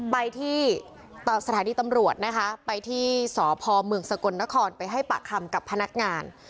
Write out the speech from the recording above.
ไปที่สถานีตำรวจนะคะไปที่สพเมืองสกลนครไปให้ปากคำกับพนักงาน